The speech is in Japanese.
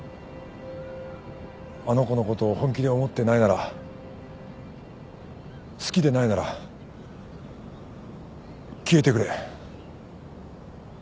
あの子のことを本気で思ってないなら好きでないなら消えてくれ。